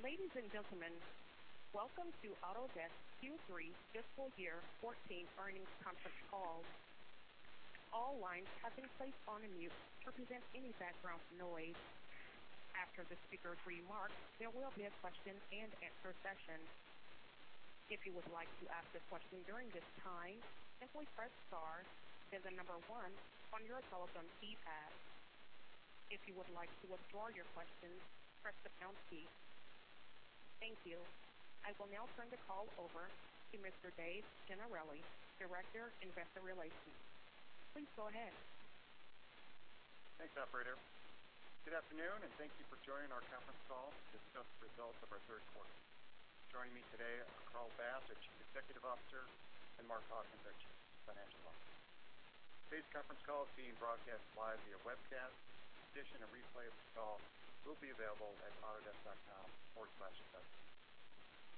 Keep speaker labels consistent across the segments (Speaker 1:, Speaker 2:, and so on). Speaker 1: Ladies and gentlemen, welcome to Autodesk Q3 fiscal year 2014 earnings conference call. All lines have been placed on mute to prevent any background noise. After the speakers' remarks, there will be a question-and-answer session. If you would like to ask a question during this time, simply press star, then the number 1 on your telephone keypad. If you would like to withdraw your question, press the pound key. Thank you. I will now turn the call over to Mr. Dave Gennarelli, Director, Investor Relations. Please go ahead.
Speaker 2: Thanks, operator. Good afternoon, and thank you for joining our conference call to discuss the results of our third quarter. Joining me today are Carl Bass, our Chief Executive Officer, and Mark Hawkins, Chief Financial Officer. Today's conference call is being broadcast live via webcast. In addition, a replay of this call will be available at autodesk.com/invest.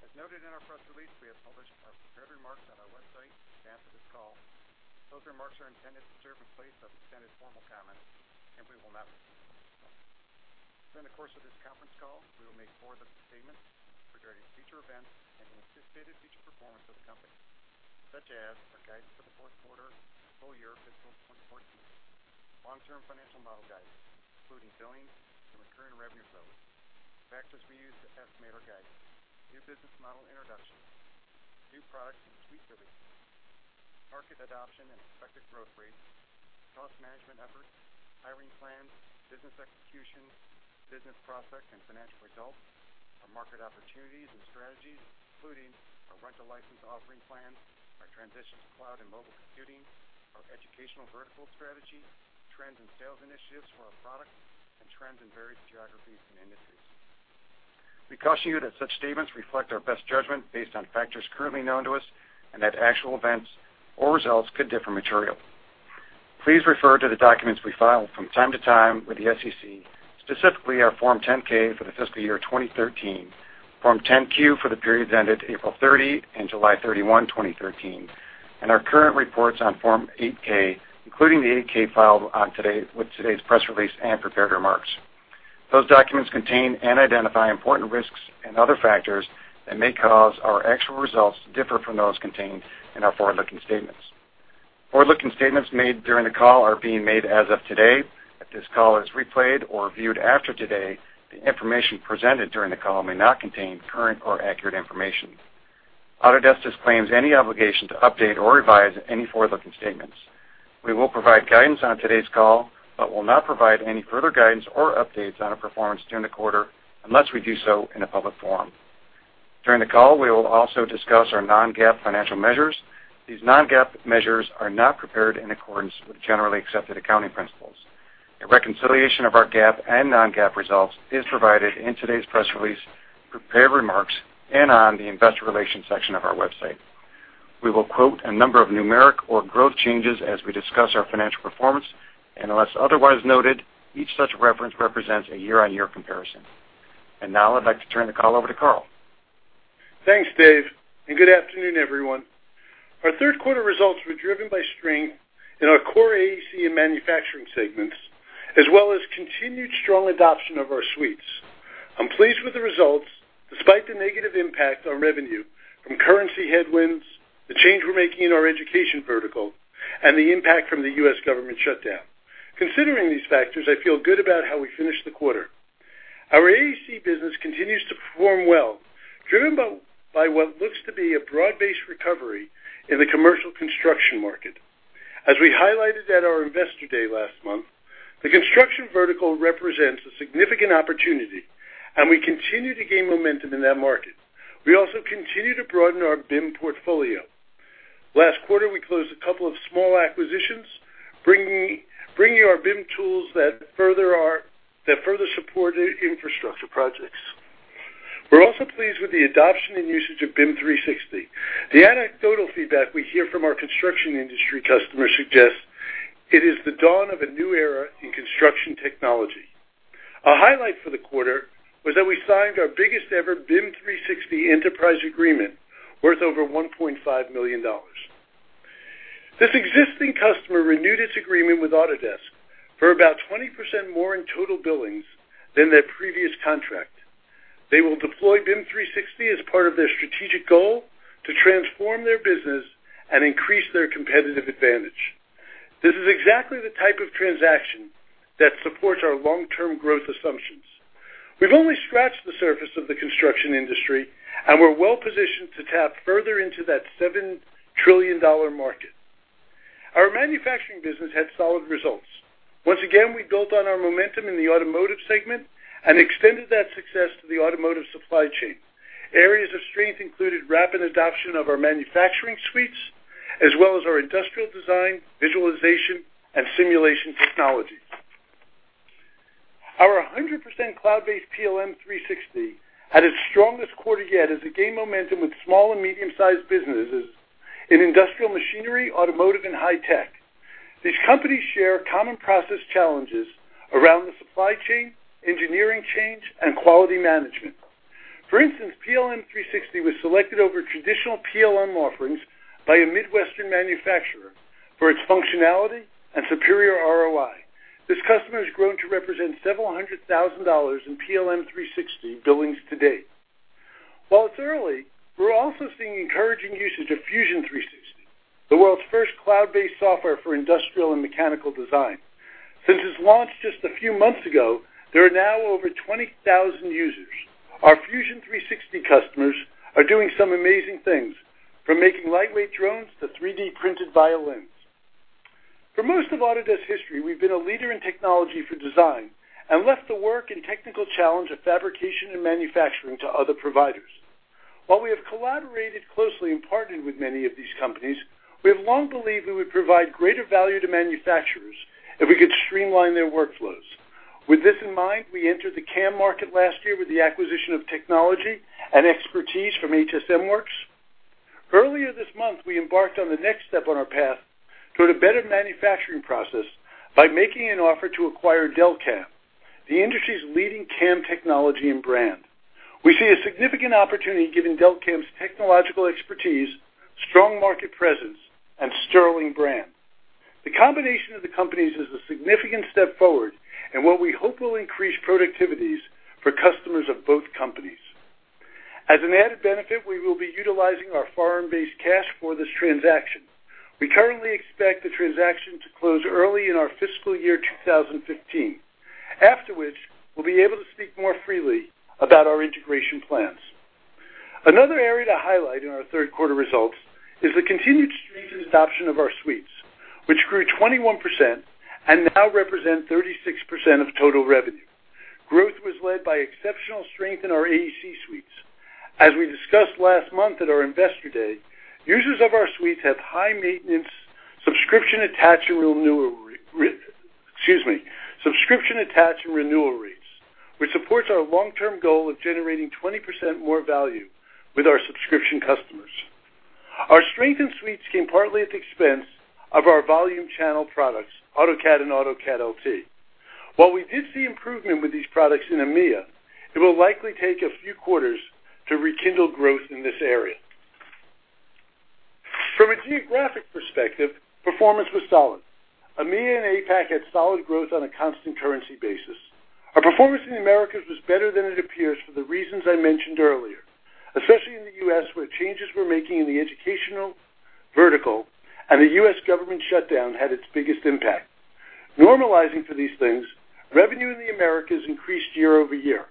Speaker 2: As noted in our press release, we have published our prepared remarks on our website in advance of this call. Those remarks are intended to serve in place of extended formal comments, and we will not be taking any questions. During the course of this conference call, we will make forward-looking statements regarding future events and the anticipated future performance of the company, such as our guidance for the fourth quarter and full year fiscal 2014, long-term financial model guidance, including billings and recurring revenue growth, factors we use to estimate our guidance, new business model introductions, new products and suite releases, market adoption and expected growth rates, cost management efforts, hiring plans, business execution, business prospects and financial results, our market opportunities and strategies, including our rental license offering plans, our transition to cloud and mobile computing, our educational vertical strategy, trends and sales initiatives for our products, and trends in various geographies and industries. We caution you that such statements reflect our best judgment based on factors currently known to us, and that actual events or results could differ materially. Please refer to the documents we file from time to time with the SEC, specifically our Form 10-K for the fiscal year 2013, Form 10-Q for the periods ended April 30 and July 31, 2013, and our current reports on Form 8-K, including the 8-K filed with today's press release and prepared remarks. Those documents contain and identify important risks and other factors that may cause our actual results to differ from those contained in our forward-looking statements. Forward-looking statements made during the call are being made as of today. If this call is replayed or viewed after today, the information presented during the call may not contain current or accurate information. Autodesk disclaims any obligation to update or revise any forward-looking statements. We will provide guidance on today's call, but will not provide any further guidance or updates on our performance during the quarter unless we do so in a public forum. During the call, we will also discuss our non-GAAP financial measures. These non-GAAP measures are not prepared in accordance with Generally Accepted Accounting Principles. A reconciliation of our GAAP and non-GAAP results is provided in today's press release, prepared remarks, and on the Investor Relations section of our website. We will quote a number of numeric or growth changes as we discuss our financial performance, and unless otherwise noted, each such reference represents a year-over-year comparison. Now I'd like to turn the call over to Carl.
Speaker 3: Thanks, Dave, good afternoon, everyone. Our third quarter results were driven by strength in our core AEC and manufacturing segments, as well as continued strong adoption of our suites. I'm pleased with the results, despite the negative impact on revenue from currency headwinds, the change we're making in our education vertical, and the impact from the U.S. government shutdown. Considering these factors, I feel good about how we finished the quarter. Our AEC business continues to perform well, driven by what looks to be a broad-based recovery in the commercial construction market. As we highlighted at our Investor Day last month, the construction vertical represents a significant opportunity, and we continue to gain momentum in that market. We also continue to broaden our BIM portfolio. Last quarter, we closed a couple of small acquisitions, bringing our BIM tools that further support infrastructure projects.
Speaker 2: We're also pleased with the adoption and usage of BIM 360. The anecdotal feedback we hear from our construction industry customers suggests it is the dawn of a new era in construction technology. A highlight for the quarter was that we signed our biggest-ever BIM 360 enterprise agreement, worth over $1.5 million. This existing customer renewed its agreement with Autodesk for about 20% more in total billings than their previous contract. They will deploy BIM 360 as part of their strategic goal to transform their business and increase their competitive advantage. This is exactly the type of transaction that supports our long-term growth assumptions. We've only scratched the surface of the construction industry, and we're well-positioned to tap further into that $7 trillion market. Our manufacturing business had solid results. Once again, we built on our momentum in the automotive segment and extended that success to the automotive supply chain. Areas of strength included rapid adoption of our manufacturing suites, as well as our industrial design, visualization, and simulation technologies. Our 100% cloud-based PLM 360 had its strongest quarter yet as it gained momentum with small and medium-sized businesses in industrial machinery, automotive, and high tech. These companies share common process challenges around the supply chain, engineering change, and quality management. For instance, PLM 360 was selected over traditional PLM offerings by a Midwestern manufacturer for its functionality and superior ROI.
Speaker 3: This customer has grown to represent several hundred thousand dollars in PLM 360 billings to date. While it's early, we're also seeing encouraging usage of Fusion 360, the world's first cloud-based software for industrial and mechanical design. Since its launch just a few months ago, there are now over 20,000 users. Our Fusion 360 customers are doing some amazing things, from making lightweight drones to 3D-printed violins. For most of Autodesk history, we've been a leader in technology for design and left the work and technical challenge of fabrication and manufacturing to other providers. While we have collaborated closely and partnered with many of these companies, we have long believed we would provide greater value to manufacturers if we could streamline their workflows. With this in mind, we entered the CAM market last year with the acquisition of technology and expertise from HSMWorks. Earlier this month, we embarked on the next step on our path toward a better manufacturing process by making an offer to acquire Delcam, the industry's leading CAM technology and brand. We see a significant opportunity given Delcam's technological expertise, strong market presence, and sterling brand. The combination of the companies is a significant step forward and what we hope will increase productivities for customers of both companies. As an added benefit, we will be utilizing our foreign-based cash for this transaction. We currently expect the transaction to close early in our fiscal year 2015. Afterwards, we'll be able to speak more freely about our integration plans. Another area to highlight in our third quarter results is the continued strength in adoption of our suites, which grew 21% and now represent 36% of total revenue. Growth was led by exceptional strength in our AEC suites. As we discussed last month at our Investor Day, users of our suites have high maintenance, subscription attach and renewal rates, which supports our long-term goal of generating 20% more value with our subscription customers. Our strength in suites came partly at the expense of our volume channel products, AutoCAD and AutoCAD LT. While we did see improvement with these products in EMEA, it will likely take a few quarters to rekindle growth in this area. From a geographic perspective, performance was solid. EMEA and APAC had solid growth on a constant currency basis. Our performance in the Americas was better than it appears for the reasons I mentioned earlier, especially in the U.S., where changes we're making in the educational vertical and the U.S. government shutdown had its biggest impact. Normalizing for these things, revenue in the Americas increased year-over-year.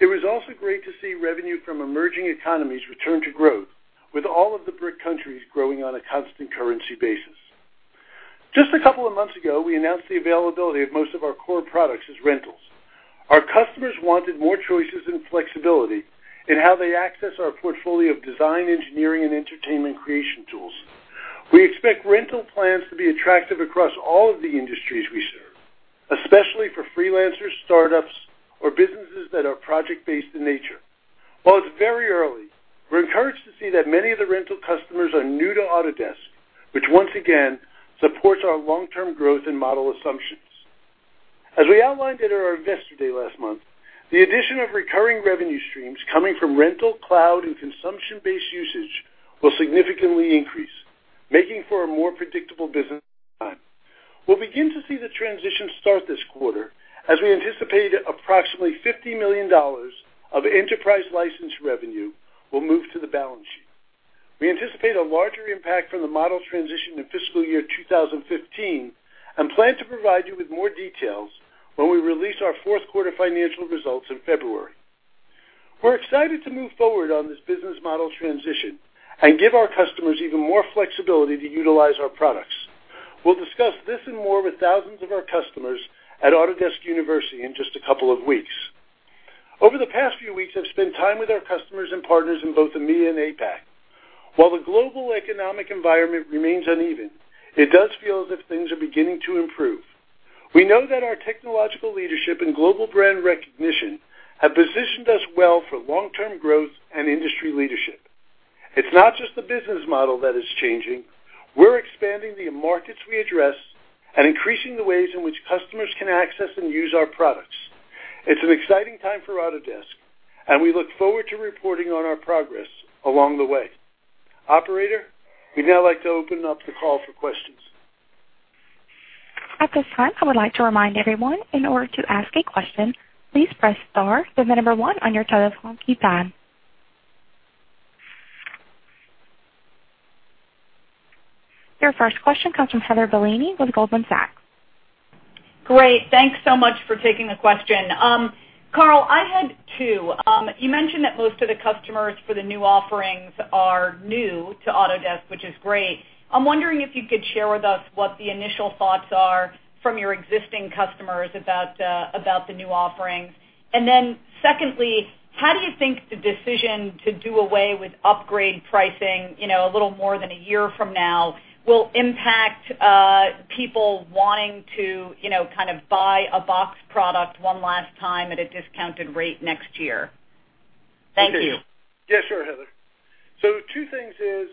Speaker 3: It was also great to see revenue from emerging economies return to growth with all of the BRIC countries growing on a constant currency basis. Just a couple of months ago, we announced the availability of most of our core products as rentals. Our customers wanted more choices and flexibility in how they access our portfolio of design, engineering, and entertainment creation tools. We expect rental plans to be attractive across all of the industries we serve, especially for freelancers, startups, or businesses that are project-based in nature. While it's very early, we're encouraged to see that many of the rental customers are new to Autodesk, which once again supports our long-term growth and model assumptions. As we outlined at our Investor Day last month, the addition of recurring revenue streams coming from rental, cloud, and consumption-based usage will significantly increase, making for a more predictable business time. We'll begin to see the transition start this quarter as we anticipate approximately $50 million of enterprise license revenue will move to the balance sheet. We anticipate a larger impact from the model transition in fiscal year 2015 and plan to provide you with more details when we release our fourth quarter financial results in February. We're excited to move forward on this business model transition and give our customers even more flexibility to utilize our products. We'll discuss this and more with thousands of our customers at Autodesk University in just a couple of weeks. Over the past few weeks, I've spent time with our customers and partners in both EMEA and APAC. While the global economic environment remains uneven, it does feel as if things are beginning to improve. We know that our technological leadership and global brand recognition have positioned us well for long-term growth and industry leadership. It's not just the business model that is changing. We're expanding the markets we address and increasing the ways in which customers can access and use our products. It's an exciting time for Autodesk. We look forward to reporting on our progress along the way. Operator, we'd now like to open up the call for questions.
Speaker 1: At this time, I would like to remind everyone in order to ask a question, please press star, then the number one on your telephone keypad. Your first question comes from Heather Bellini with Goldman Sachs.
Speaker 4: Great. Thanks so much for taking the question. Carl, I had two. You mentioned that most of the customers for the new offerings are new to Autodesk, which is great. I'm wondering if you could share with us what the initial thoughts are from your existing customers about the new offerings. Secondly, how do you think the decision to do away with upgrade pricing a little more than a year from now will impact people wanting to buy a box product one last time at a discounted rate next year? Thank you.
Speaker 3: Yes, sure, Heather. Two things is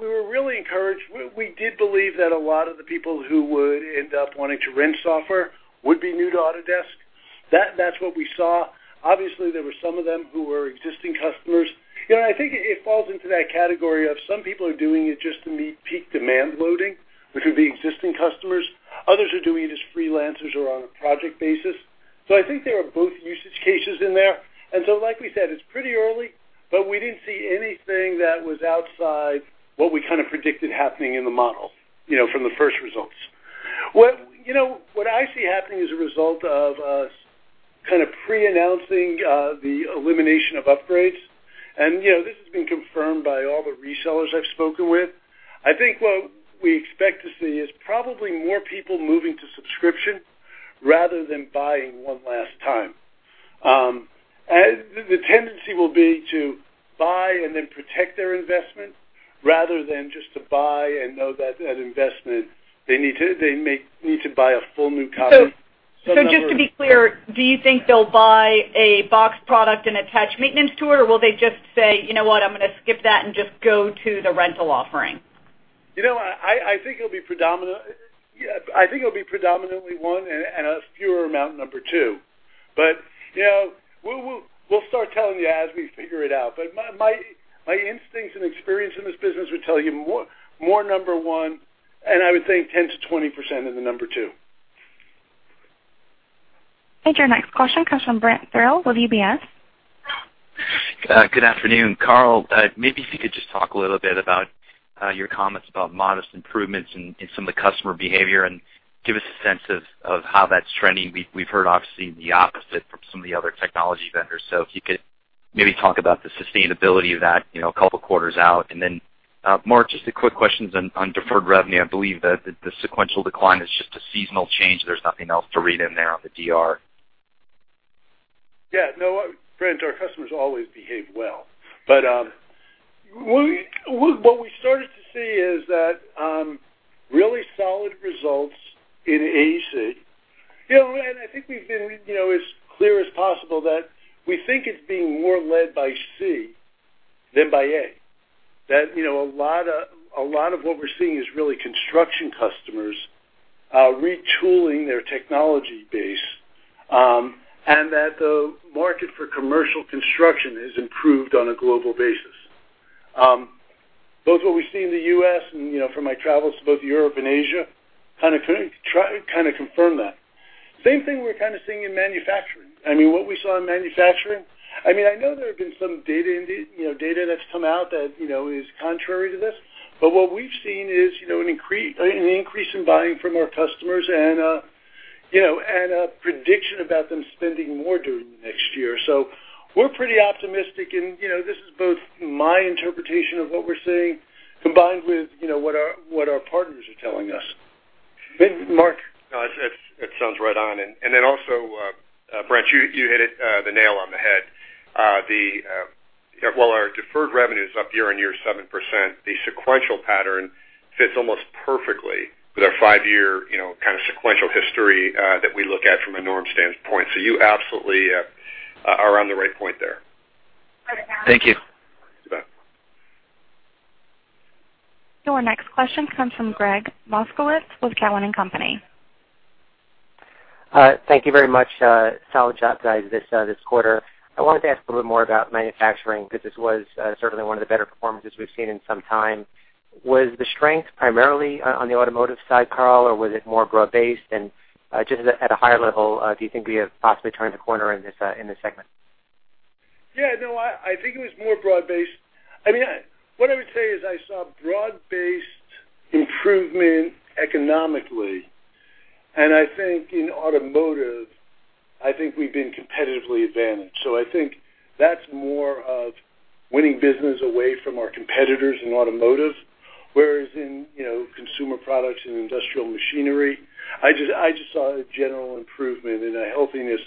Speaker 3: we were really encouraged. We did believe that a lot of the people who would end up wanting to rent software would be new to Autodesk. That's what we saw. Obviously, there were some of them who were existing customers. I think it falls into that category of some people are doing it just to meet peak demand loading, which would be existing customers. Others are doing it as freelancers or on a project basis. I think there are both usage cases in there. Like we said, it's pretty early, but we didn't see anything that was outside what we kind of predicted happening in the model from the first results. What I see happening as a result of us pre-announcing the elimination of upgrades, and this has been confirmed by all the resellers I've spoken with. I think what we expect to see is probably more people moving to subscription rather than buying one last time. The tendency will be to buy and then protect their investment rather than just to buy and know that that investment they may need to buy a full new copy.
Speaker 4: Just to be clear, do you think they'll buy a box product and attach maintenance to it, or will they just say, "You know what, I'm going to skip that and just go to the rental offering?
Speaker 3: I think it'll be predominantly one and a fewer amount number two. We'll start telling you as we figure it out. My instincts and experience in this business would tell you more number one, and I would say 10%-20% of the number two.
Speaker 1: Your next question comes from Brent Thill with UBS.
Speaker 5: Good afternoon, Carl. Maybe if you could just talk a little bit about your comments about modest improvements in some of the customer behavior and give us a sense of how that's trending. We've heard, obviously, the opposite from some of the other technology vendors. If you could maybe talk about the sustainability of that a couple of quarters out. Then, Mark, just a quick question on deferred revenue. I believe that the sequential decline is just a seasonal change. There's nothing else to read in there on the DR.
Speaker 3: No, Brent, our customers always behave well. What we started to see is that really solid results in AEC. I think we've been as clear as possible that we think it's being more led by C than by A. That a lot of what we're seeing is really construction customers retooling their technology base, and that the market for commercial construction has improved on a global basis. Both what we see in the U.S. and from my travels to both Europe and Asia kind of confirm that. Same thing we're kind of seeing in manufacturing. What we saw in manufacturing, I know there have been some data that's come out that is contrary to this, but what we've seen is an increase in buying from our customers and a prediction about them spending more during the next year. We're pretty optimistic, and this is both my interpretation of what we're seeing, combined with what our partners are telling us. Mark.
Speaker 6: No, it sounds right on. Also, Brent, you hit the nail on the head. While our deferred revenue is up year-over-year 7%, the sequential pattern fits almost perfectly with our five-year kind of sequential history that we look at from a norm standpoint. You absolutely are on the right point there.
Speaker 5: Thank you.
Speaker 6: You bet.
Speaker 1: Your next question comes from Gregg Moskowitz with Cowen and Company.
Speaker 7: Thank you very much. Solid job guys, this quarter. I wanted to ask a little bit more about manufacturing, because this was certainly one of the better performances we've seen in some time. Was the strength primarily on the automotive side, Carl, or was it more broad-based? Just at a higher level, do you think we have possibly turned the corner in this segment?
Speaker 3: Yeah. No, I think it was more broad-based. What I would say is I saw broad-based improvement economically. I think in automotive, I think we've been competitively advantaged. I think that's more of winning business away from our competitors in automotive, whereas in consumer products and industrial machinery, I just saw a general improvement and a healthiness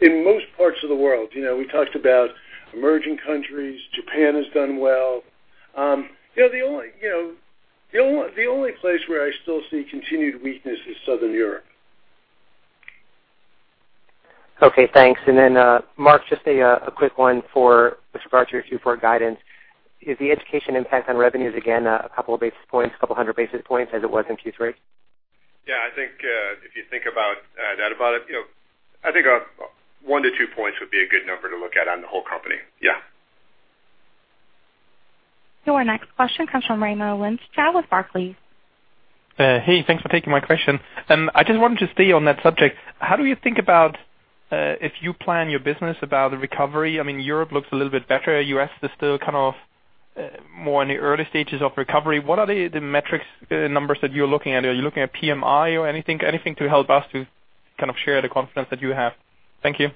Speaker 3: in most parts of the world. We talked about emerging countries. Japan has done well. The only place where I still see continued weakness is Southern Europe.
Speaker 7: Okay, thanks. Then Mark, just a quick one for with regard to your Q4 guidance. Is the education impact on revenues again a couple of basis points, a couple of hundred basis points as it was in Q3?
Speaker 6: Yeah. If you think about that, I think one to two points would be a good number to look at on the whole company. Yeah.
Speaker 1: Your next question comes from Raimo Lenschow with Barclays.
Speaker 8: Hey, thanks for taking my question. I just wanted to stay on that subject. How do you think about if you plan your business about a recovery? Europe looks a little bit better. U.S. is still kind of more in the early stages of recovery. What are the metrics numbers that you're looking at? Are you looking at PMI or anything to help us to kind of share the confidence that you have? Thank you.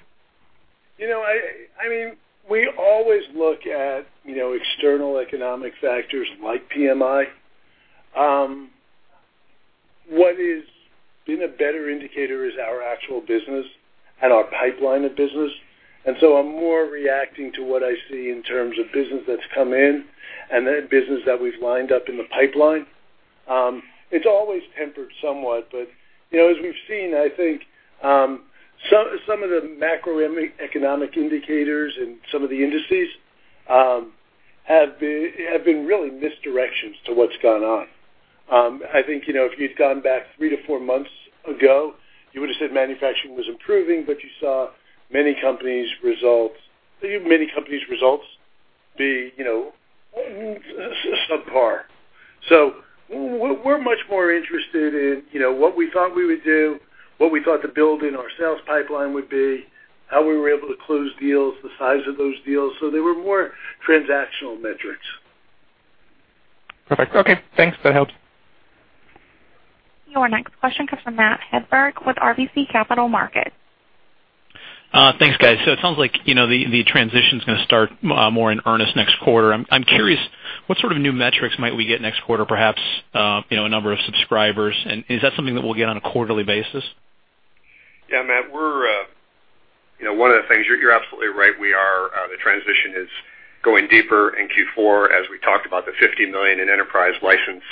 Speaker 3: We always look at external economic factors like PMI. What has been a better indicator is our actual business and our pipeline of business. I'm more reacting to what I see in terms of business that's come in and then business that we've lined up in the pipeline. It's always tempered somewhat. As we've seen, I think, some of the macroeconomic indicators in some of the industries have been really misdirections to what's gone on. I think, if you'd gone back three to four months ago, you would've said manufacturing was improving, but you saw many companies' results be subpar. We're much more interested in what we thought we would do, what we thought the build in our sales pipeline would be, how we were able to close deals, the size of those deals. They were more transactional metrics.
Speaker 8: Perfect. Okay, thanks. That helps.
Speaker 1: Your next question comes from Matthew Hedberg with RBC Capital Markets.
Speaker 9: Thanks, guys. It sounds like the transition's going to start more in earnest next quarter. I'm curious what sort of new metrics might we get next quarter, perhaps, a number of subscribers, and is that something that we'll get on a quarterly basis?
Speaker 6: Yeah, Matt. One of the things, you're absolutely right. The transition is going deeper in Q4 as we talked about the $50 million in enterprise license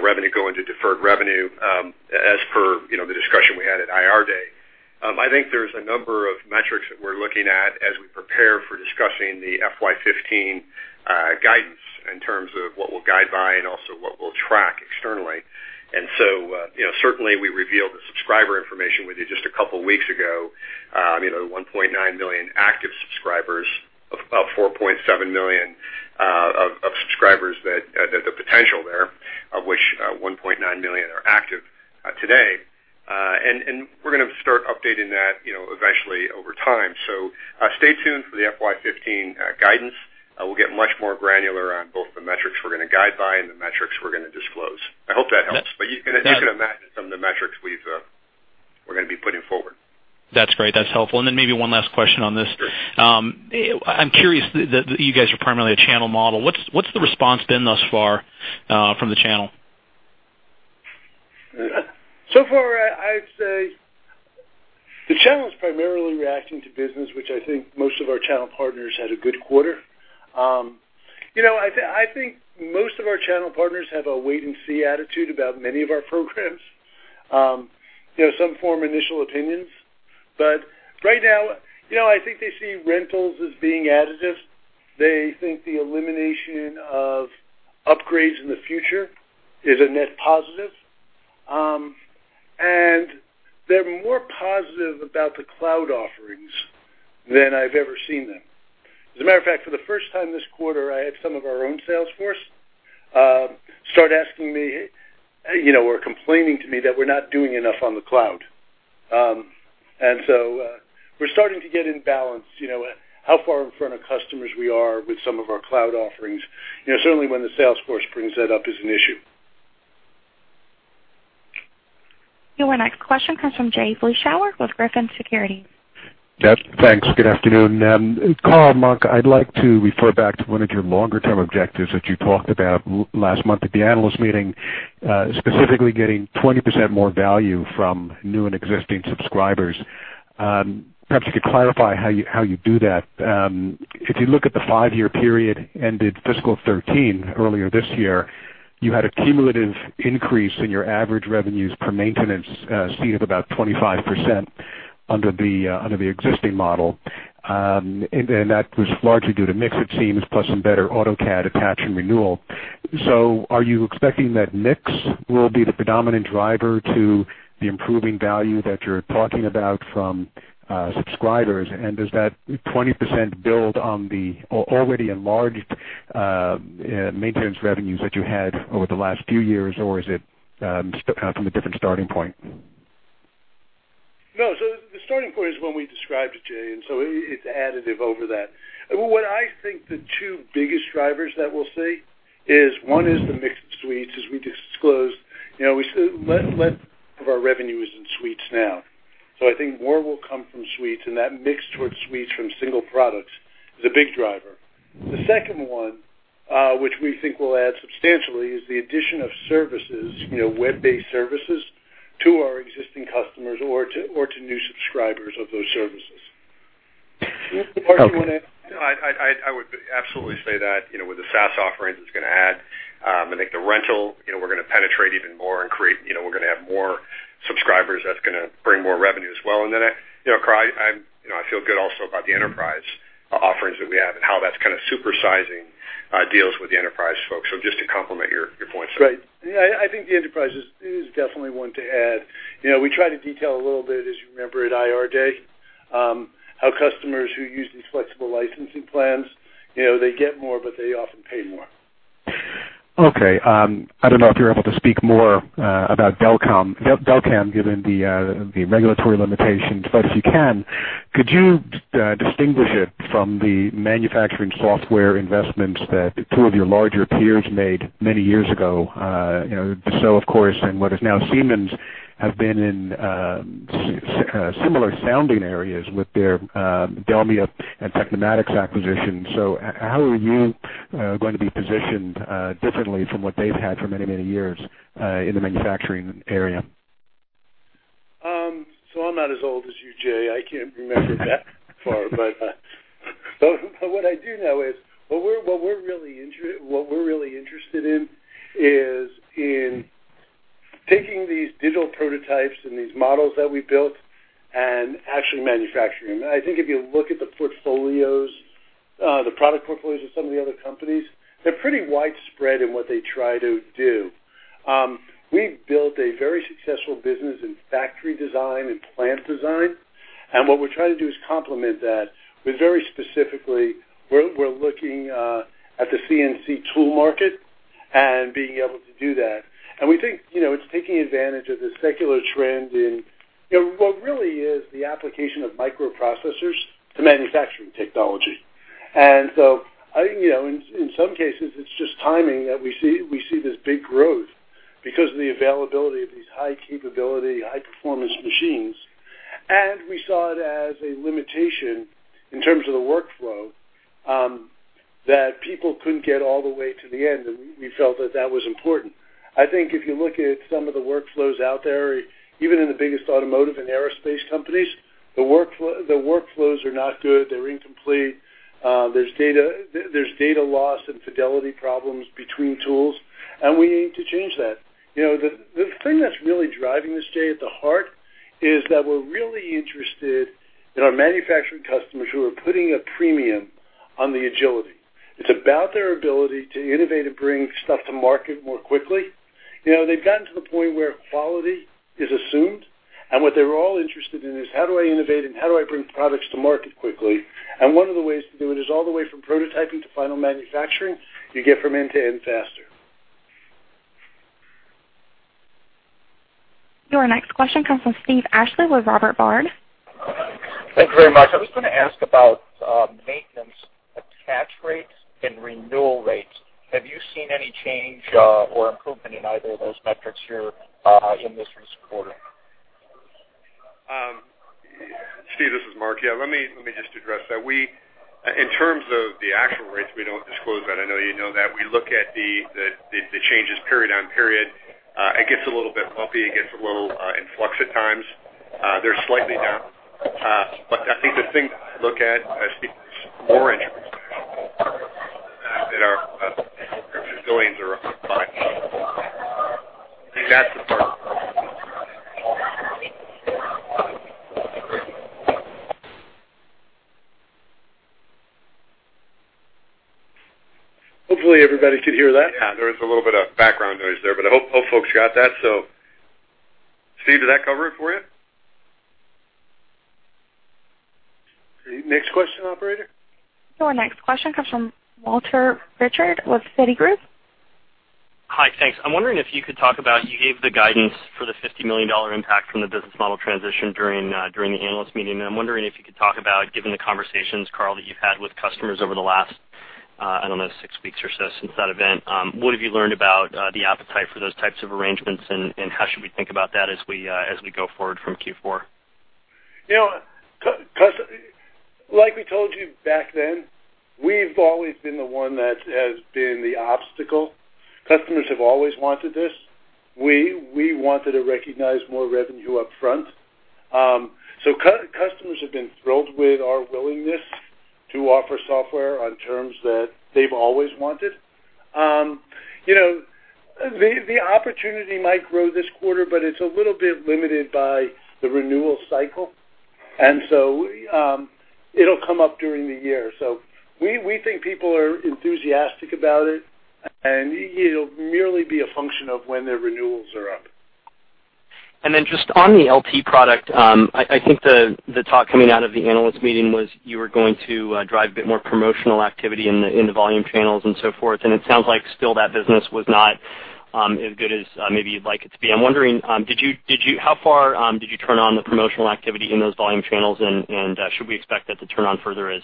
Speaker 6: revenue going to deferred revenue, as per the discussion we had at Investor Day. I think there's a number of metrics that we're looking at as we prepare for discussing the FY 2015 guidance in terms of what we'll guide by and also what we'll track externally. Certainly we revealed the subscriber information with you just a couple of weeks ago. 1.9 million active subscribers of 4.7 million of subscribers, the potential there, of which 1.9 million are active today. We're going to start updating that eventually over time. Stay tuned for the FY 2015 guidance. We'll get much more granular on both the metrics we're going to guide by and the metrics we're going to disclose. I hope that helps.
Speaker 9: Yeah.
Speaker 6: You can imagine some of the metrics we're going to be putting forward.
Speaker 9: That's great. That's helpful. Maybe one last question on this.
Speaker 6: Sure.
Speaker 9: I'm curious, you guys are primarily a channel model. What's the response been thus far from the channel?
Speaker 3: Far, I'd say the channel is primarily reacting to business, which I think most of our channel partners had a good quarter. I think most of our channel partners have a wait-and-see attitude about many of our programs. Some form initial opinions, but right now, I think they see rentals as being additive. They think the elimination of upgrades in the future is a net positive. They're more positive about the cloud offerings than I've ever seen them. As a matter of fact, for the first time this quarter, I had some of our own sales force start asking me, or complaining to me, that we're not doing enough on the cloud. We're starting to get in balance, how far in front of customers we are with some of our cloud offerings. Certainly when the sales force brings that up as an issue.
Speaker 1: Your next question comes from Jay Vleeschhouwer with Griffin Securities.
Speaker 10: Yep. Thanks. Good afternoon. Carl and Mark, I'd like to refer back to one of your longer-term objectives that you talked about last month at the Investor Day, specifically getting 20% more value from new and existing subscribers. Perhaps you could clarify how you do that. If you look at the five-year period ended fiscal 2013 earlier this year, you had a cumulative increase in your average revenues per maintenance seat of about 25% under the existing model. That was largely due to mix, it seems, plus some better AutoCAD attach and renewal. Are you expecting that mix will be the predominant driver to the improving value that you're talking about from subscribers? Does that 20% build on the already enlarged maintenance revenues that you had over the last few years, or is it from a different starting point?
Speaker 3: No, the starting point is one we described, Jay, It's additive over that. What I think the two biggest drivers that we'll see is one is the mix of suites, as we disclosed. Less of our revenue is in suites now. I think more will come from suites, and that mix towards suites from single products is a big driver. The second one, which we think will add substantially, is the addition of services, web-based services to our existing customers or to new subscribers of those services. Jay, is there more you want to add?
Speaker 6: No, I would absolutely say that, with the SaaS offerings, it's going to add, I think the rental, we're going to penetrate even more and we're going to have more subscribers. That's going to bring more revenue as well. Carl, I feel good also about the enterprise offerings that we have and how that's kind of supersizing deals with the enterprise folks. Just to complement your points.
Speaker 3: Great. I think the enterprise is definitely one to add. We try to detail a little bit, as you remember at Investor Day, how customers who use these flexible licensing plans, they get more, They often pay more.
Speaker 10: Okay. I don't know if you're able to speak more about Delcam given the regulatory limitations, but if you can, could you distinguish it from the manufacturing software investments that two of your larger peers made many years ago? Dassault, of course, and what is now Siemens have been in similar sounding areas with their DELMIA and Tecnomatix acquisitions. How are you going to be positioned differently from what they've had for many, many years in the manufacturing area?
Speaker 3: I'm not as old as you, Jay. I can't remember that far. What I do know is what we're really interested in is in taking these digital prototypes and these models that we built and actually manufacturing them. I think if you look at the product portfolios of some of the other companies, they're pretty widespread in what they try to do. We've built a very successful business in factory design and plant design, and what we're trying to do is complement that with very specifically, we're looking at the CNC tool market and being able to do that. We think it's taking advantage of the secular trend in what really is the application of microprocessors to manufacturing technology. I think, in some cases, it's just timing that we see this big growth because of the availability of these high-capability, high-performance machines. We saw it as a limitation in terms of the workflow, that people couldn't get all the way to the end, and we felt that that was important. I think if you look at some of the workflows out there, even in the biggest automotive and aerospace companies, the workflows are not good. They're incomplete. There's data loss and fidelity problems between tools, and we need to change that. The thing that's really driving this today at the heart is that we're really interested in our manufacturing customers who are putting a premium on agility. It's about their ability to innovate and bring stuff to market more quickly. They've gotten to the point where quality is assumed, and what they're all interested in is how do I innovate and how do I bring products to market quickly? One of the ways to do it is all the way from prototyping to final manufacturing, you get from end to end faster.
Speaker 1: Your next question comes from Steve Ashley with Robert W. Baird.
Speaker 11: Thanks very much. I was going to ask about maintenance attach rates and renewal rates. Have you seen any change or improvement in either of those metrics here in this recent quarter?
Speaker 6: Steve, this is Mark. Yeah, let me just address that. In terms of the actual rates, we don't disclose that. I know you know that. We look at the changes period on period. It gets a little bit bumpy. It gets a little in flux at times. They're slightly down. I think the thing to look at, Steve, that's more interesting than that our subscriptions going are up by X. I think that's the part.
Speaker 3: Hopefully everybody could hear that.
Speaker 6: there was a little bit of background noise there, but I hope folks got that. Steve, does that cover it for you?
Speaker 3: Next question, operator.
Speaker 1: Our next question comes from Walter Pritchard with Citigroup.
Speaker 12: Hi, thanks. I'm wondering if you could talk about, you gave the guidance for the $50 million impact from the business model transition during the analyst meeting, and I'm wondering if you could talk about, given the conversations, Carl, that you've had with customers over the last, I don't know, six weeks or so since that event, what have you learned about the appetite for those types of arrangements, and how should we think about that as we go forward from Q4?
Speaker 3: Like we told you back then, we've always been the one that has been the obstacle. Customers have always wanted this. We wanted to recognize more revenue upfront. Customers have been thrilled with our willingness to offer software on terms that they've always wanted. The opportunity might grow this quarter, but it's a little bit limited by the renewal cycle, it'll come up during the year. We think people are enthusiastic about it, and it'll merely be a function of when their renewals are up.
Speaker 12: Just on the LT product, I think the talk coming out of the analyst meeting was you were going to drive a bit more promotional activity in the volume channels and so forth, and it sounds like still that business was not as good as maybe you'd like it to be. I'm wondering, how far did you turn on the promotional activity in those volume channels, and should we expect that to turn on further as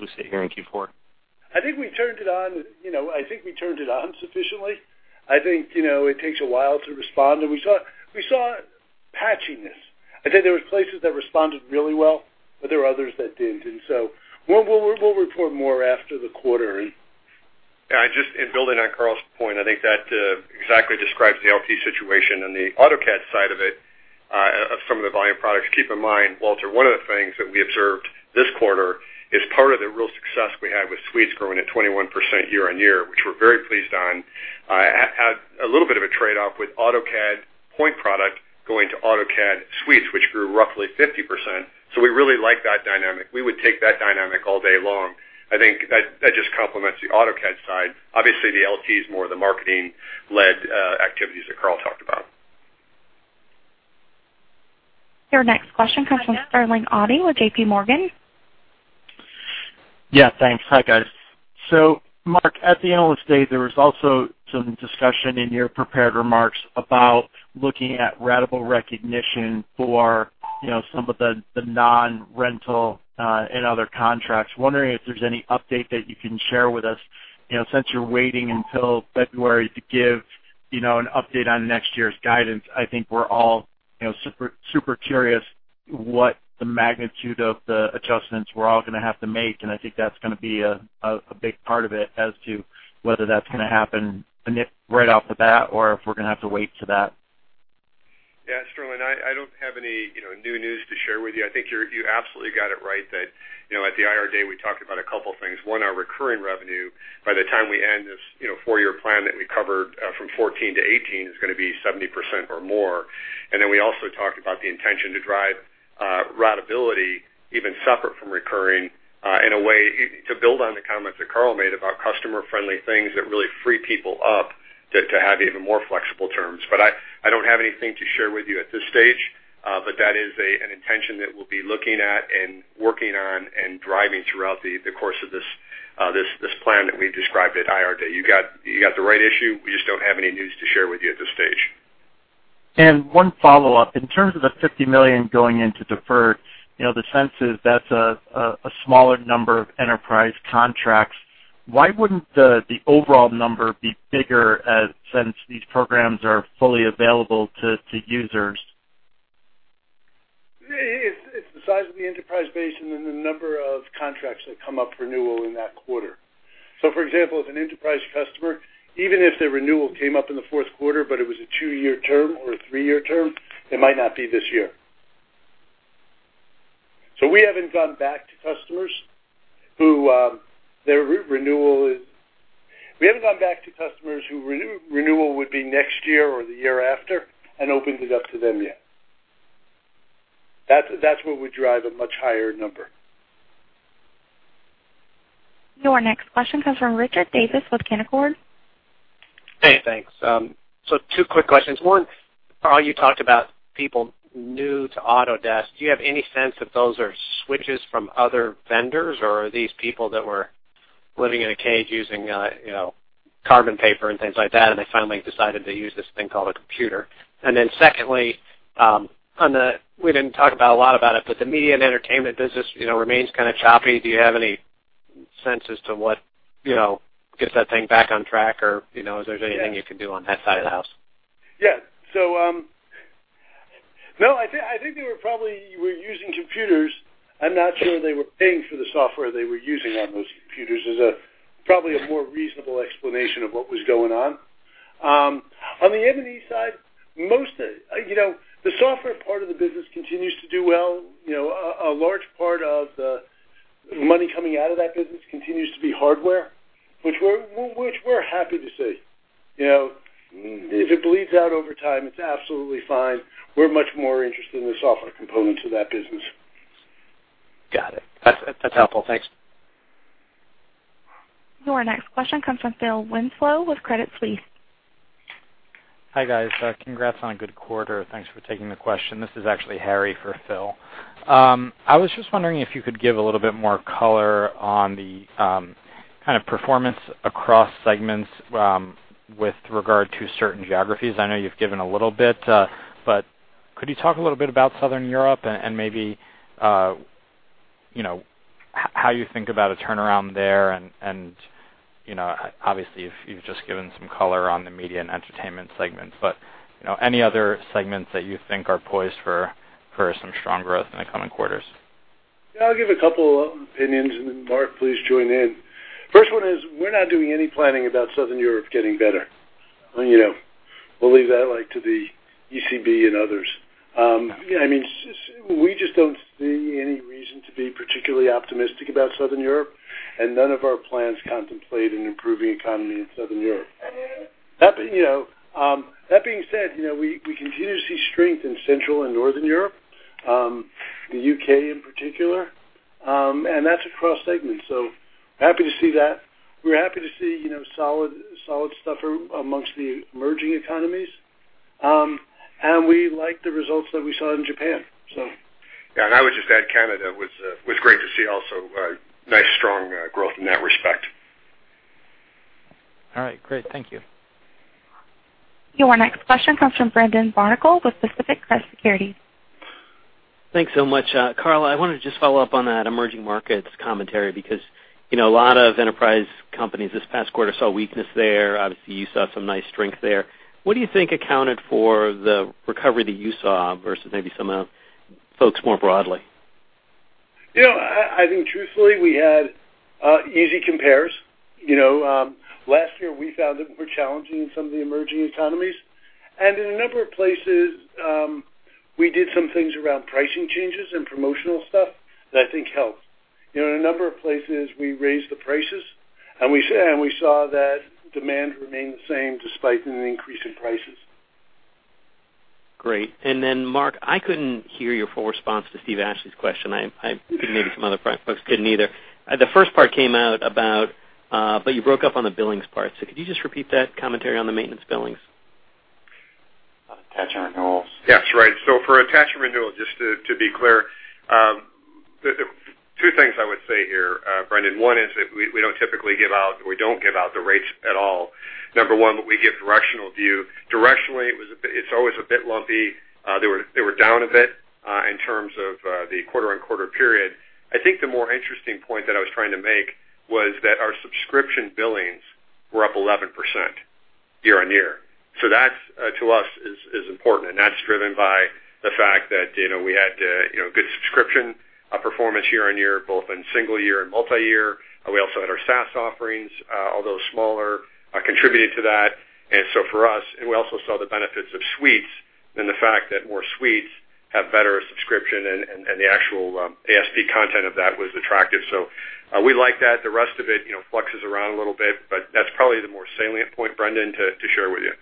Speaker 12: we sit here in Q4?
Speaker 3: I think we turned it on sufficiently. I think it takes a while to respond, and we saw patchiness. I think there was places that responded really well, but there were others that didn't.
Speaker 6: Just in building on Carl's point, I think that exactly describes the LT situation and the AutoCAD side of it, of some of the volume products. Keep in mind, Walter, one of the things that we observed this quarter is part of the real success we had with Suites growing at 21% year-on-year, which we're very pleased on, had a little bit of a trade-off with AutoCAD point product going to AutoCAD Suites, which grew roughly 50%. We really like that dynamic. We would take that dynamic all day long. I think that just complements the AutoCAD side. Obviously, the LT is more of the marketing-led activities that Carl talked about.
Speaker 1: Your next question comes from Sterling Auty with JPMorgan.
Speaker 13: Thanks. Hi, guys. Mark, at the Investor Day, there was also some discussion in your prepared remarks about looking at ratable recognition for some of the non-rental and other contracts. Wondering if there's any update that you can share with us. Since you're waiting until February to give an update on next year's guidance, I think we're all super curious what the magnitude of the adjustments we're all going to have to make, and I think that's going to be a big part of it as to whether that's going to happen right off the bat or if we're going to have to wait to that.
Speaker 6: Yeah, Sterling, I don't have any new news to share with you. I think you absolutely got it right that at the Investor Day, we talked about a couple things. One, our recurring revenue, by the time we end this four-year plan that we covered from 2014 to 2018, is going to be 70% or more. We also talked about the intention to drive ratability even separate from recurring, in a way, to build on the comments that Carl made about customer-friendly things that really free people up to have even more flexible terms. I don't have anything to share with you at this stage. That is an intention that we'll be looking at and working on and driving throughout the course of this plan that we described at Investor Day. You got the right issue. We just don't have any news to share with you at this stage.
Speaker 13: One follow-up. In terms of the $50 million going into deferred, the sense is that's a smaller number of enterprise contracts. Why wouldn't the overall number be bigger since these programs are fully available to users?
Speaker 3: It's the size of the enterprise base, the number of contracts that come up for renewal in that quarter. For example, if an enterprise customer, even if their renewal came up in the fourth quarter, but it was a two-year term or a three-year term, it might not be this year. We haven't gone back to customers whose renewal would be next year or the year after and opened it up to them yet. That's where we drive a much higher number.
Speaker 1: Your next question comes from Richard Davis with Canaccord.
Speaker 14: Hey, thanks. Two quick questions. One, Carl, you talked about people new to Autodesk. Do you have any sense that those are switches from other vendors, or are these people that were living in a cage using carbon paper and things like that, and they finally decided to use this thing called a computer? Secondly, we didn't talk about a lot about it, but the media and entertainment business remains kind of choppy. Do you have any sense as to what gets that thing back on track, or is there anything you can do on that side of the house?
Speaker 3: No, I think they were probably using computers. I'm not sure they were paying for the software they were using on those computers is probably a more reasonable explanation of what was going on. On the M&E side, the software part of the business continues to do well. A large part of the money coming out of that business continues to be hardware, which we're happy to see. If it bleeds out over time, it's absolutely fine. We're much more interested in the software component to that business.
Speaker 14: Got it. That's helpful. Thanks.
Speaker 1: Your next question comes from Philip Winslow with Credit Suisse.
Speaker 15: Hi, guys. Congrats on a good quarter. Thanks for taking the question. This is actually Harry for Phil. I was just wondering if you could give a little bit more color on the kind of performance across segments with regard to certain geographies. I know you've given a little bit. Could you talk a little bit about Southern Europe and maybe how you think about a turnaround there and, obviously, if you've just given some color on the media and entertainment segments, but any other segments that you think are poised for some strong growth in the coming quarters?
Speaker 3: Yeah, I'll give a couple opinions, and then Mark, please join in. First one is we're not doing any planning about Southern Europe getting better. We'll leave that to the ECB and others. We just don't see any reason to be particularly optimistic about Southern Europe, and none of our plans contemplate an improving economy in Southern Europe. That being said, we continue to see strength in Central and Northern Europe, the U.K. in particular, and that's across segments. Happy to see that. We're happy to see solid stuff amongst the emerging economies. We like the results that we saw in Japan, so.
Speaker 6: Yeah, I would just add Canada was great to see also. Nice, strong growth in that respect.
Speaker 15: All right, great. Thank you.
Speaker 1: Your next question comes from Brendan Barnicle with Pacific Crest Securities.
Speaker 16: Thanks so much. Carl, I wanted to just follow up on that emerging markets commentary because a lot of enterprise companies this past quarter saw weakness there. Obviously, you saw some nice strength there. What do you think accounted for the recovery that you saw versus maybe some folks more broadly?
Speaker 3: I think truthfully, we had easy compares. Last year, we found it more challenging in some of the emerging economies. In a number of places, we did some things around pricing changes and promotional stuff that I think helped. In a number of places, we raised the prices, and we saw that demand remained the same despite an increase in prices.
Speaker 16: Great. Mark, I couldn't hear your full response to Steven Ashley's question. Maybe some other folks couldn't either. The first part came out about, but you broke up on the billings part. Could you just repeat that commentary on the maintenance billings? Attachment renewals.
Speaker 6: Yes, right. For attachment renewals, just to be clear, two things I would say here, Brendan. One is that we don't give out the rates at all. Number one, we give directional view. Directionally, it's always a bit lumpy. They were down a bit in terms of the quarter-on-quarter period. I think the more interesting point that I was trying to make was that our subscription billings were up 11% year-on-year. That, to us, is important, and that's driven by the fact that we had good subscription performance year-on-year, both in single year and multi-year. We also had our SaaS offerings, although smaller, contributed to that. For us, and we also saw the benefits of suites and the fact that more suites have better subscription, and the actual ASP content of that was attractive. We like that. The rest of it fluxes around a little bit, but that's probably the more salient point, Brendan, to share with you.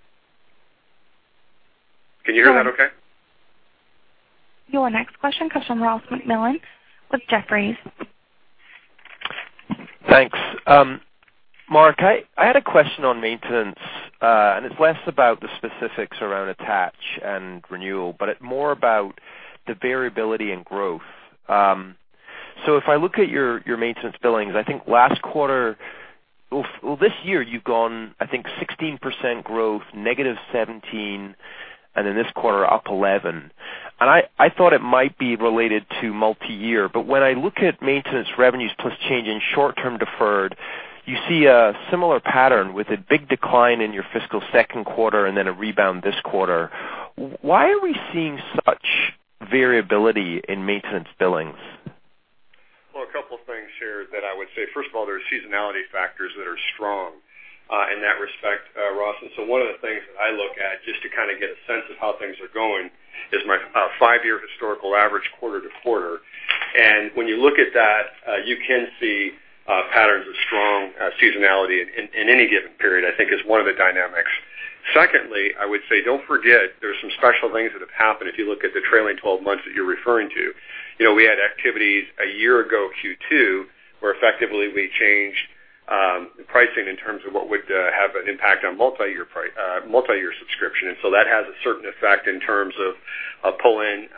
Speaker 6: Can you hear that okay?
Speaker 1: Your next question comes from Ross MacMillan with Jefferies.
Speaker 17: Thanks. Mark, I had a question on maintenance. It's less about the specifics around attach and renewal, but more about the variability in growth. If I look at your maintenance billings, I think this year you've gone, I think, 16% growth, -17%, and in this quarter up 11%. I thought it might be related to multi-year, but when I look at maintenance revenues plus change in short-term deferred, you see a similar pattern with a big decline in your fiscal second quarter and then a rebound this quarter. Why are we seeing such variability in maintenance billings?
Speaker 6: Well, a couple things here that I would say. First of all, there are seasonality factors that are strong in that respect, Ross. One of the things that I look at just to get a sense of how things are going is my 5-year historical average quarter to quarter. When you look at that, you can see patterns of strong seasonality in any given period, I think is one of the dynamics. Secondly, I would say, don't forget there's some special things that have happened if you look at the trailing 12 months that you're referring to. We had activities a year ago, Q2, where effectively we changed pricing in terms of what would have an impact on multi-year subscription. That has a certain effect in terms of pull-in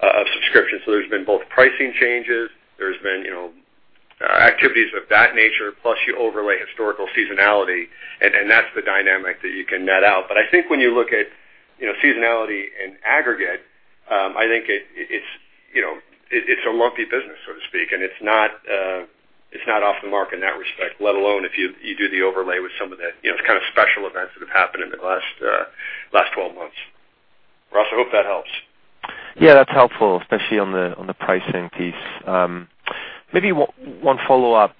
Speaker 6: of subscription. There's been both pricing changes. There's been activities of that nature, plus you overlay historical seasonality, and that's the dynamic that you can net out. I think when you look at seasonality in aggregate, I think it's a lumpy business, so to speak, and it's not off the mark in that respect, let alone if you do the overlay with some of the kind of special events that have happened in the last 12 months. Ross, I hope that helps.
Speaker 17: Yeah, that's helpful, especially on the pricing piece. Maybe one follow-up.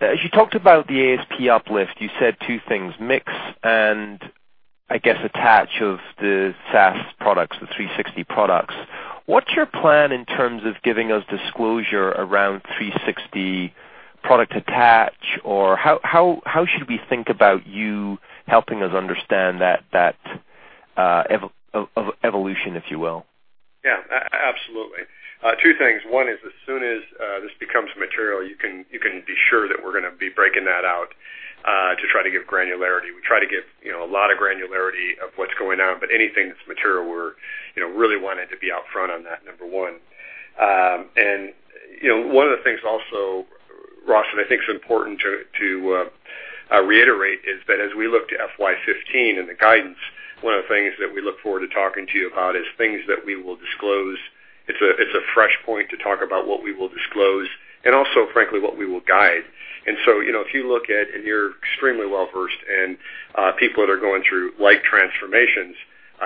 Speaker 17: As you talked about the ASP uplift, you said two things, mix and I guess attach of the SaaS products, the 360 products. What's your plan in terms of giving us disclosure around 360 product attach, or how should we think about you helping us understand that evolution, if you will?
Speaker 6: Yeah, absolutely. Two things. One is as soon as this becomes material, you can be sure that we're going to be breaking that out to try to give granularity. We try to give a lot of granularity of what's going on, but anything that's material, we're really wanting to be out front on that, number one. One of the things also, Ross, that I think is important to reiterate is that as we look to FY 2015 and the guidance, one of the things that we look forward to talking to you about is things that we will disclose. It's a fresh point to talk about what we will disclose, and also, frankly, what we will guide. If you look at, and you're extremely well-versed in people that are going through light transformations,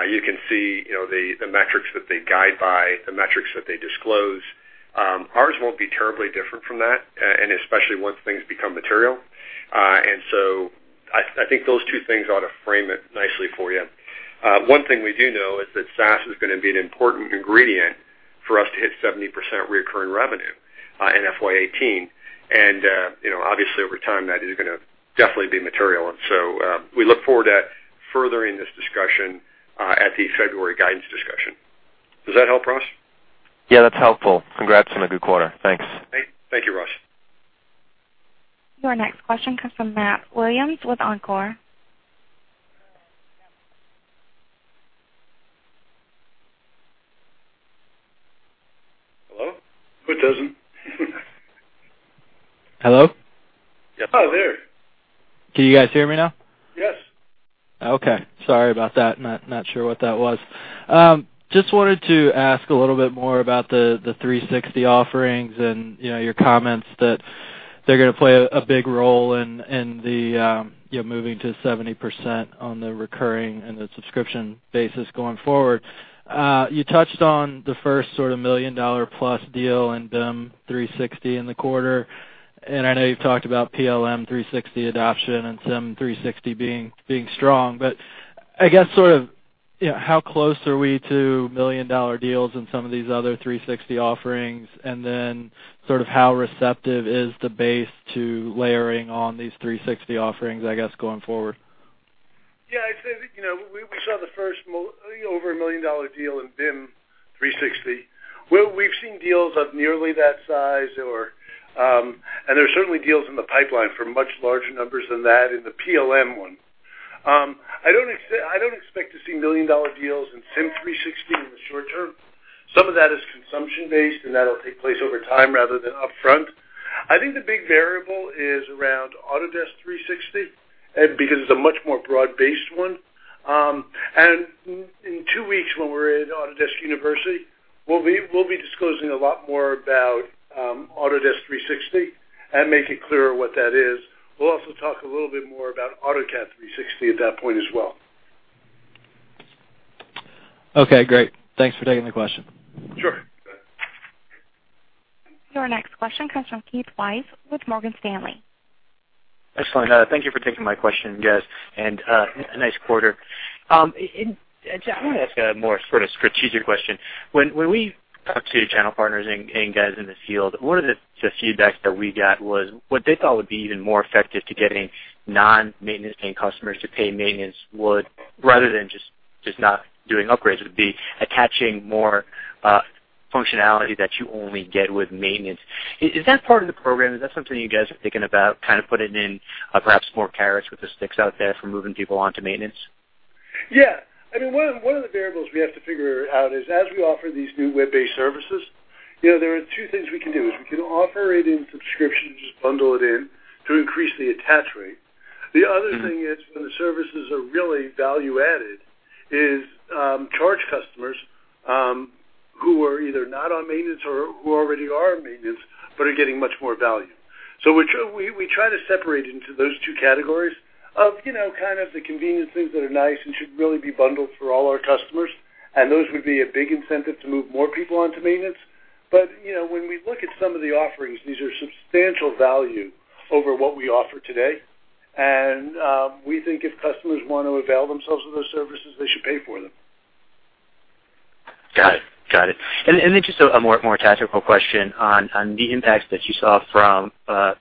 Speaker 6: you can see the metrics that they guide by, the metrics that they disclose. Ours won't be terribly different from that, especially once things become material. I think those two things ought to frame it nicely for you. One thing we do know is that SaaS is going to be an important ingredient for us to hit 70% recurring revenue in FY 2018. Obviously over time, that is going to definitely be material. We look forward to furthering this discussion at the February guidance discussion. Does that help, Ross?
Speaker 17: Yeah, that's helpful. Congrats on a good quarter. Thanks.
Speaker 6: Thank you, Ross.
Speaker 1: Your next question comes from Matthew Williams with Evercore.
Speaker 3: Hello? Who doesn't?
Speaker 18: Hello?
Speaker 3: Oh, there.
Speaker 18: Can you guys hear me now?
Speaker 3: Yes.
Speaker 18: Okay. Sorry about that. Not sure what that was. Just wanted to ask a little bit more about the 360 offerings and your comments that they're going to play a big role in the moving to 70% on the recurring and the subscription basis going forward. You touched on the first sort of million-dollar-plus deal in BIM 360 in the quarter. I know you've talked about PLM 360 adoption and Sim 360 being strong. I guess sort of how close are we to million-dollar deals in some of these other 360 offerings? Sort of how receptive is the base to layering on these 360 offerings, I guess, going forward?
Speaker 3: Yeah, I'd say that we saw the first over a $1 million deal in BIM 360. Well, we've seen deals of nearly that size, and there's certainly deals in the pipeline for much larger numbers than that in the PLM one. I don't expect to see $1 million deals in Sim 360 in the short term. Some of that is consumption-based, and that'll take place over time rather than upfront. I think the big variable is around Autodesk 360 because it's a much more broad-based one. In two weeks when we're at Autodesk University, we'll be disclosing a lot more about Autodesk 360 and make it clearer what that is. We'll also talk a little bit more about AutoCAD 360 at that point as well.
Speaker 18: Okay, great. Thanks for taking the question.
Speaker 3: Sure.
Speaker 1: Your next question comes from Keith Weiss with Morgan Stanley.
Speaker 19: Excellent. Thank you for taking my question, guys, and a nice quarter. I want to ask a more sort of strategic question. When we talk to channel partners and guys in the field, one of the feedbacks that we got was what they thought would be even more effective to getting non-maintenance paying customers to pay maintenance, rather than just not doing upgrades, would be attaching more functionality that you only get with maintenance. Is that part of the program? Is that something you guys are thinking about, kind of putting in perhaps more carrots with the sticks out there for moving people onto maintenance?
Speaker 3: Yeah. One of the variables we have to figure out is as we offer these new web-based services, there are two things we can do, is we can offer it in subscriptions, just bundle it in to increase the attach rate. The other thing is when the services are really value added, is charge customers who are either not on maintenance or who already are on maintenance but are getting much more value. We try to separate into those two categories of kind of the convenience things that are nice and should really be bundled for all our customers, and those would be a big incentive to move more people onto maintenance. When we look at some of the offerings, these are substantial value over what we offer today. We think if customers want to avail themselves of those services, they should pay for them.
Speaker 19: Got it. Just a more tactical question on the impacts that you saw from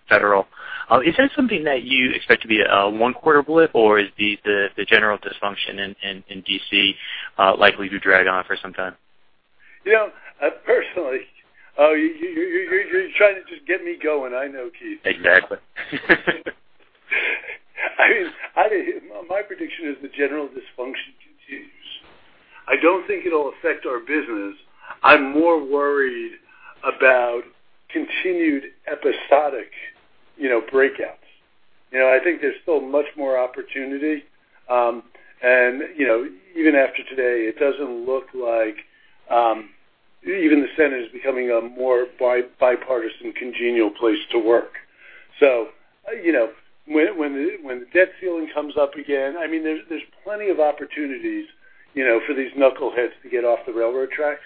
Speaker 19: federal. Is that something that you expect to be a one-quarter blip or is the general dysfunction in D.C. likely to drag on for some time?
Speaker 3: Personally, you're trying to just get me going, I know, Keith.
Speaker 19: Exactly.
Speaker 3: My prediction is the general dysfunction continues. I don't think it'll affect our business. I'm more worried about continued episodic breakouts. I think there's still much more opportunity. Even after today, it doesn't look like even the Senate is becoming a more bipartisan, congenial place to work. When the debt ceiling comes up again, there's plenty of opportunities for these knuckleheads to get off the railroad tracks,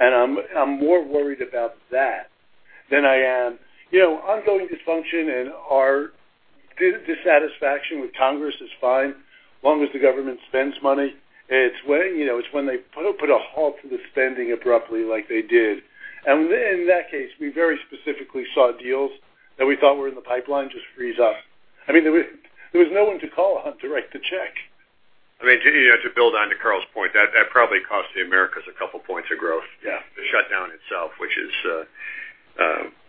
Speaker 3: and I'm more worried about that. Ongoing dysfunction and our dissatisfaction with Congress is fine as long as the government spends money. It's when they put a halt to the spending abruptly like they did. In that case, we very specifically saw deals that we thought were in the pipeline just freeze up. There was no one to call on to write the check.
Speaker 6: To build onto Carl's point, that probably cost the Americas a couple points of growth.
Speaker 3: Yeah.
Speaker 6: The shutdown itself,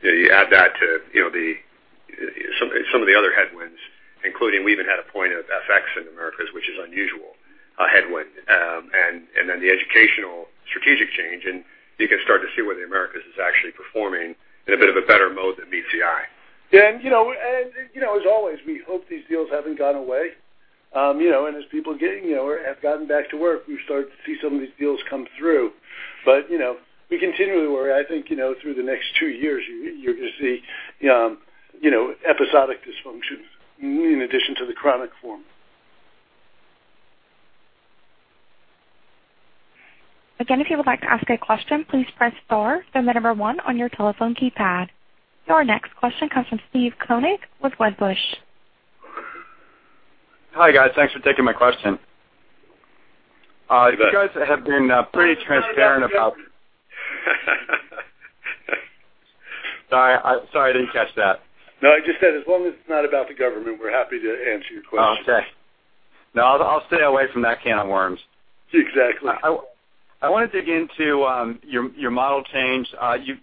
Speaker 6: you add that to some of the other headwinds, including we even had a point of FX in Americas, which is unusual headwind. The educational strategic change, and you can start to see where the Americas is actually performing in a bit of a better mode than meets the eye.
Speaker 3: Yeah. As always, we hope these deals haven't gone away. As people have gotten back to work, we start to see some of these deals come through. We continually worry. I think through the next two years you're going to see episodic dysfunctions in addition to the chronic form.
Speaker 1: Again, if you would like to ask a question, please press star, then the number one on your telephone keypad. Your next question comes from Steve Koenig with Wedbush.
Speaker 20: Hi, guys. Thanks for taking my question. You guys have been pretty transparent. Sorry, I didn't catch that.
Speaker 3: No, I just said as long as it's not about the government, we're happy to answer your questions.
Speaker 20: Okay. No, I'll stay away from that can of worms.
Speaker 3: Exactly.
Speaker 20: I want to dig into your model change.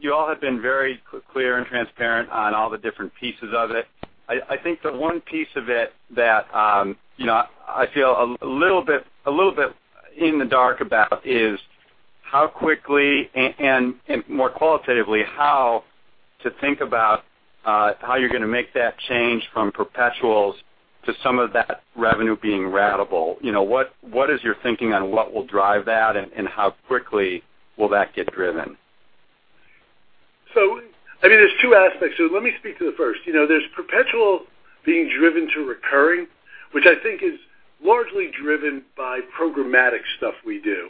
Speaker 20: You all have been very clear and transparent on all the different pieces of it. I think the one piece of it that I feel a little bit in the dark about is how quickly, and more qualitatively, how to think about how you're going to make that change from perpetuals to some of that revenue being ratable. What is your thinking on what will drive that, and how quickly will that get driven?
Speaker 3: There's two aspects to it. Let me speak to the first. There's perpetual being driven to recurring, which I think is largely driven by programmatic stuff we do,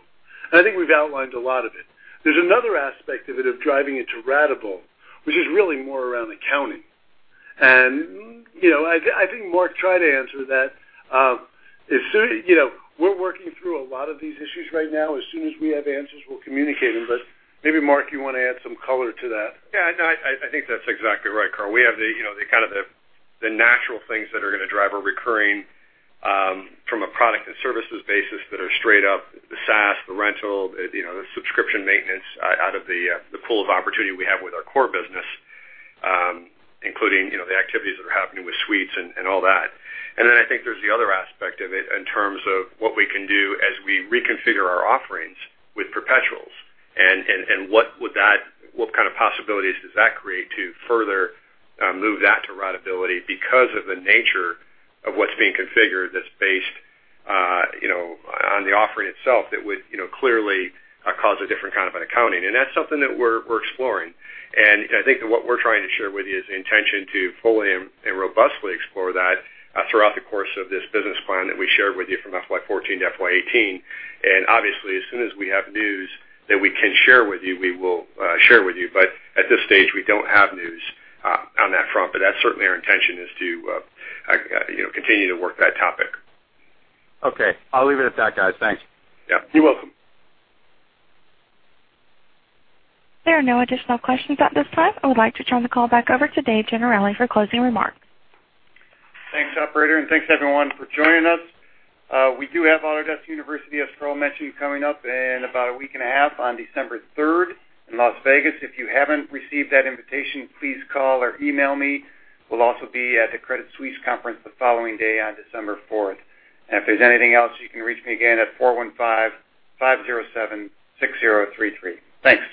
Speaker 3: and I think we've outlined a lot of it. There's another aspect of it, of driving it to ratable, which is really more around accounting. I think Mark tried to answer that. We're working through a lot of these issues right now. As soon as we have answers, we'll communicate them, but maybe Mark you want to add some color to that.
Speaker 6: Yeah, no, I think that's exactly right, Carl. We have the kind of the natural things that are going to drive our recurring from a product and services basis that are straight up the SaaS, the rental, the subscription maintenance out of the pool of opportunity we have with our core business, including the activities that are happening with Suites and all that. I think there's the other aspect of it in terms of what we can do as we reconfigure our offerings with perpetuals, and what kind of possibilities does that create to further move that to ratability because of the nature of what's being configured that's based on the offering itself that would clearly cause a different kind of an accounting. That's something that we're exploring. I think that what we're trying to share with you is the intention to fully and robustly explore that throughout the course of this business plan that we shared with you from FY 2014 to FY 2018. Obviously, as soon as we have news that we can share with you, we will share with you. At this stage, we don't have news on that front. That's certainly our intention, is to continue to work that topic.
Speaker 20: Okay. I'll leave it at that, guys. Thanks.
Speaker 6: Yeah.
Speaker 3: You're welcome.
Speaker 1: There are no additional questions at this time. I would like to turn the call back over to Dave Gennarelli for closing remarks.
Speaker 2: Thanks, operator, and thanks everyone for joining us. We do have Autodesk University, as Carl mentioned, coming up in about a week and a half on December 3rd in Las Vegas. If you haven't received that invitation, please call or email me. We'll also be at the Credit Suisse conference the following day on December 4th. If there's anything else, you can reach me again at 415-507-6033. Thanks.